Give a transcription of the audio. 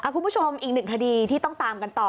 คุณผู้ชมอีกหนึ่งคดีที่ต้องตามกันต่อ